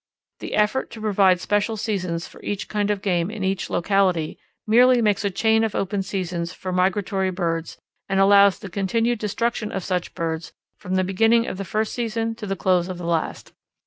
The effort to provide special seasons for each kind of game in each locality merely makes a chain of open seasons for migratory birds and allows the continued destruction of such birds from the beginning of the first season to the close of the last.